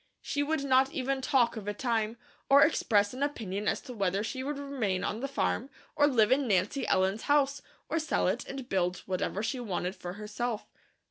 She would not even talk of a time, or express an opinion as to whether she would remain on the farm, or live in Nancy Ellen's house, or sell it and build whatever she wanted for herself.